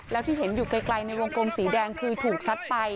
แล้วที่เห็นอยู่ไกลในวงกลมสีแดงคือถูกซัดไป